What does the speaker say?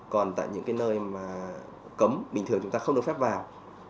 còn tại những cái nơi mà cấm bình thường chúng ta không được phép vào